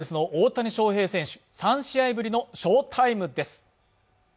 エンゼルスの大谷翔平選手３試合ぶりの翔タイムです